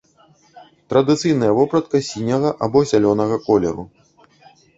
Традыцыйная вопратка сіняга або зялёнага колеру.